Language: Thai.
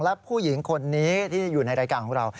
และผู้หญิงคนนี้ที่อยู่ในรายการของเรา